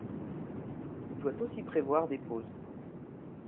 Il doit aussi prévoir des pauses.